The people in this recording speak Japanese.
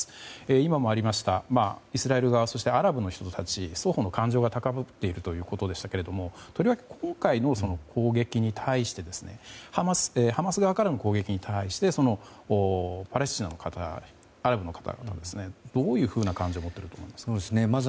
今もありましたがイスラエル側そしてアラブの人たち双方の感情が高ぶっているということでしたがとりわけ今回の攻撃に対してハマス側からの攻撃に対してパレスチナの方アラブの方どういうふうな感情を持っていると思いますか。